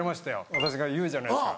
私が言うじゃないですか